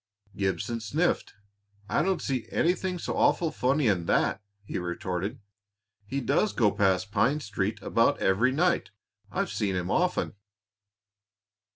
Gibson sniffed. "I don't see anything so awful funny in that," he retorted. "He does go past Pine Street about every night; I've seen him often."